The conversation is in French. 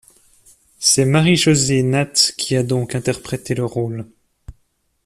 C'est Marie-José Nat qui a donc interprété le rôle.